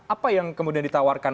apa yang kemudian ditawarkan